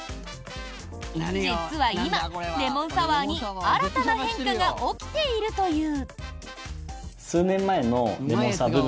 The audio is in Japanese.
実は今、レモンサワーに新たな変化が起きているという。